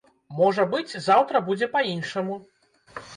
Можа быць, заўтра будзе па-іншаму.